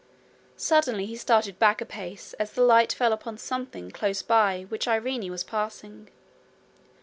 Suddenly he started back a pace as the light fell upon something close by which Irene was passing.